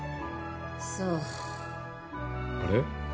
そうあれ？